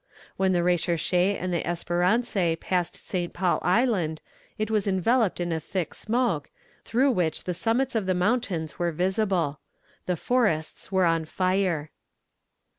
When the Recherche and the Espérance passed St. Paul Island it was enveloped in a thick smoke, through which the summits of the mountains were visible. The forests were on fire.